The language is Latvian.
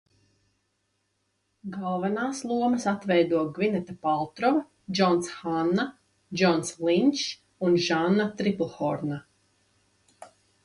Galvenās lomas atveido Gvineta Paltrova, Džons Hanna, Džons Linčs un Žanna Triplhorna.